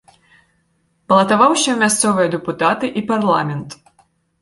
Балатаваўся ў мясцовыя дэпутаты і парламент.